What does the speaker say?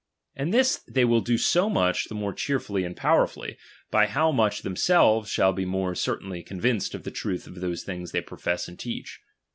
And this they will do so much the more cheerfwlly and powerfully, by how much themselves shall be more certainly con vinced of the truth of those things they profess and teach.